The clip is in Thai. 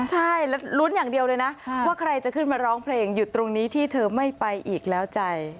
ใช่แล้วลุ้นอย่างเดียวเลยนะว่าใครจะขึ้นมาร้องเพลงหยุดตรงนี้ที่เธอไม่ไปอีกแล้วใจ